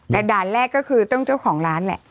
แต่ด่านแรกก็คือต้องเจ้าของร้านแหละ